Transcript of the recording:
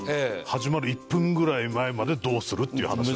始まる１分ぐらい前までどうする？っていう話。